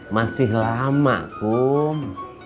masih lama kum